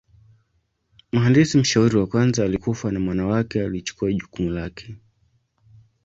Mhandisi mshauri wa kwanza alikufa na mwana wake alichukua jukumu lake.